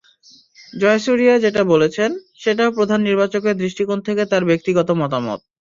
জয়াসুরিয়া যেটা বলেছেন, সেটাও প্রধান নির্বাচকের দৃষ্টিকোণ থেকে তাঁর ব্যক্তিগত মতামত।